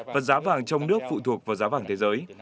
và giá vàng trong nước phụ thuộc vào giá vàng thế giới